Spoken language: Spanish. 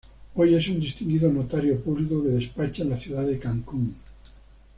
Hoy, es un distinguido notario público que despacha en la ciudad de Cancún.